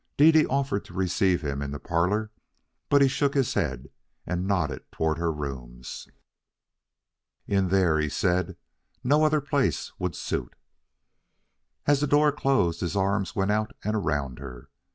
Dede offered to receive him in the parlor, but he shook his head and nodded toward her rooms. "In there," he said. "No other place would suit." As the door closed, his arms went out and around her.